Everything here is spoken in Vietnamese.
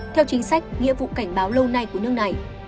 theo chính sách nghĩa vụ cảnh báo lâu nay của nước này